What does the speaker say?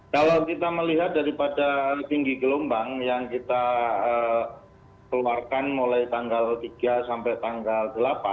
kalau kita melihat daripada tinggi gelombang yang kita keluarkan mulai tanggal tiga sampai tanggal delapan